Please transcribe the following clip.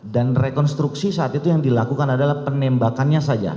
dan rekonstruksi saat itu yang dilakukan adalah penembakannya saja